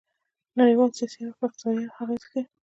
نړیوال سیاسي اړخ په اقتصادي اړخ اغیزه کوي